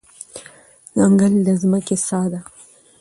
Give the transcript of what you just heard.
ځنګل د ځمکې ساه ده.